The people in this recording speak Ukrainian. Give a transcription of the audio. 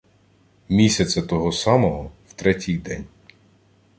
Місяця того самого в третій день